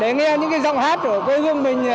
để nghe những cái giọng hát của quê hương mình